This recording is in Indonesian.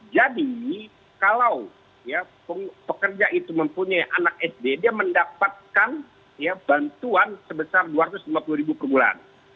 jadi kalau ya pekerja itu mempunyai anak sd dia mendapatkan ya bantuan sebesar dua ratus lima puluh per bulan